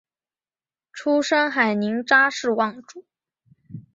出身海宁查氏望族。